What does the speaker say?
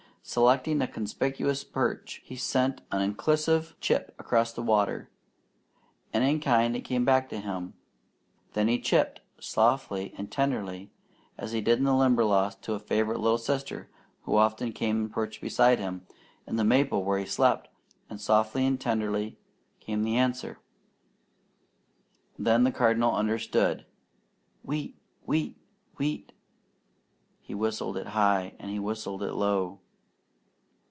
Selecting a conspicuous perch he sent an incisive "Chip!" across the water, and in kind it came back to him. Then he "chipped" softly and tenderly, as he did in the Limberlost to a favourite little sister who often came and perched beside him in the maple where he slept, and softly and tenderly came the answer. Then the Cardinal understood. "Wheat! Wheat! Wheat!" He whistled it high, and he whistled it low.